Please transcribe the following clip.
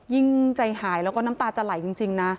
ยิ่งใจหายแล้วก็น้ำตาจะไหลจริงนะ